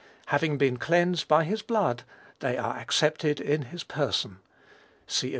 Having been cleansed by his blood, they are accepted in his person. (See Eph.